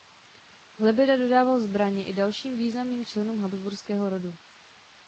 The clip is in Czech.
Lebeda dodával zbraně i dalším významným členům Habsburského rodu.